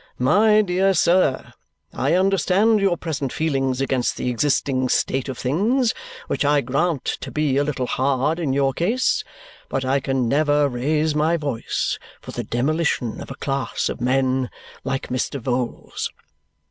My dear sir, I understand your present feelings against the existing state of things, which I grant to be a little hard in your case; but I can never raise my voice for the demolition of a class of men like Mr. Vholes."